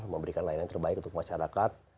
memberikan layanan yang terbaik untuk masyarakat